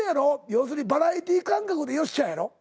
要するにバラエティー感覚で「よっしゃ」やろ？